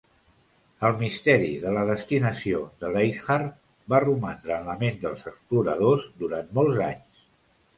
El misteri de la destinació de Leichhardt va romandre en la ment dels exploradors durant molts anys.